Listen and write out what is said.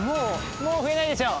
もう増えないでしょ。